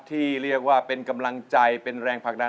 ที่เรียกว่าเป็นกำลังใจเป็นแรงผลักดัน